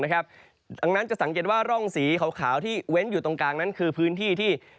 ดังนั้นจะสังเกตว่าร่องสีขาวที่เว้นอยู่ตรงกลางนั้นคือพื้นที่ที่